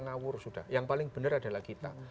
ngawur sudah yang paling benar adalah kita